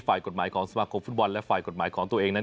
ฝ่ายกฎหมายของสมาคมฟุตบอลและฝ่ายกฎหมายของตัวเองนั้น